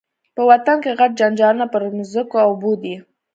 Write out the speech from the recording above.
په وطن کي غټ جنجالونه پر مځکو او اوبو دي